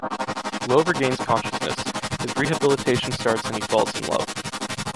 Lowe regains consciousness, his rehabilitation starts and he falls in love.